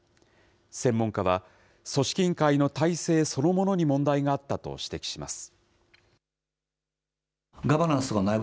専門家は、組織委員会の体制そのものに問題があったと指摘します。